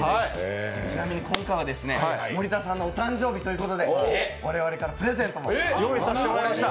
ちなみに今回は森田さんのお誕生日ということで我々からプレゼントも用意させてもらいました